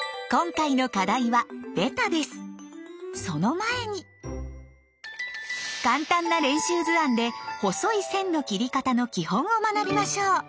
今回のその前に簡単な練習図案で細い線の切り方の基本を学びましょう！